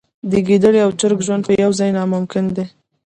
د ګیدړې او چرګ ژوند په یوه ځای ناممکن دی.